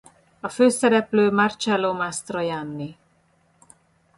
A főszereplő Marcello Mastroianni.